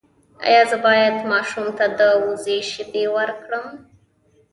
ایا زه باید ماشوم ته د وزې شیدې ورکړم؟